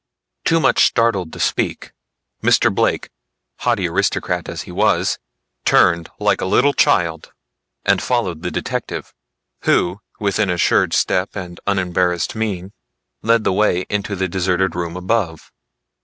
Too much startled to speak, Mr. Blake, haughty aristocrat as he was, turned like a little child and followed the detective who with an assured step and unembarassed mien led the way into the deserted room above.